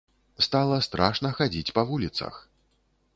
Стала страшна хадзіць па вуліцах!